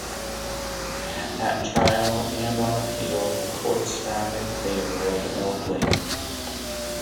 At trial and on appeal, the courts found in favour of Elbling.